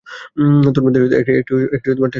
তন্মধ্যে, একটি টেস্ট খেলাও অন্তর্ভুক্ত ছিল।